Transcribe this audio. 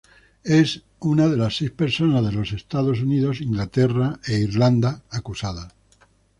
Es una de las seis personas de los Estados Unidos, Inglaterra e Irlanda acusadas.